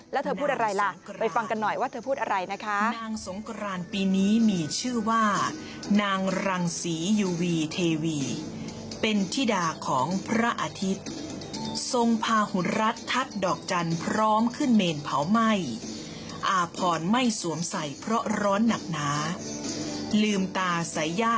แล้วเธอพูดอะไรล่ะไปฟังกันหน่อยว่าเธอพูดอะไรนะคะ